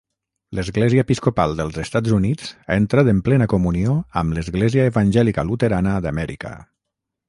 L'Església Episcopal dels Estats Units ha entrat en plena comunió amb l'Església Evangèlica Luterana d'Amèrica.